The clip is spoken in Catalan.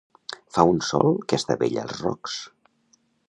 Fa un sol que estavella els rocs